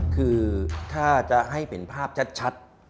คือถ้าจะให้เห็นภาพชัด